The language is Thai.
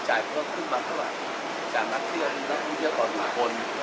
จากวิธีสอบเท่าไหร่วิธีสินเท่าไหร่เราจะได้